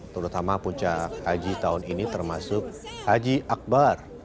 terutama puncak haji tahun ini termasuk haji akbar